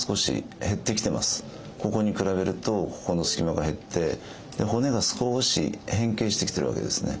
ここに比べるとここの隙間が減って骨が少し変形してきてるわけですね。